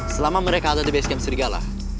selama mereka ada di basecamp serigala